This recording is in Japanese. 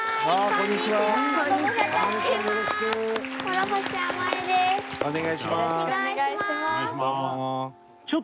お願いします。